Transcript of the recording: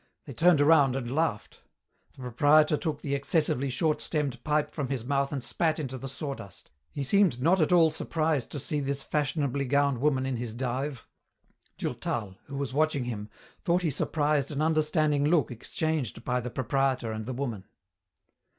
They turned around and laughed. The proprietor took the excessively short stemmed pipe from his mouth and spat into the sawdust. He seemed not at all surprised to see this fashionably gowned woman in his dive. Durtal, who was watching him, thought he surprised an understanding look exchanged by the proprietor and the woman.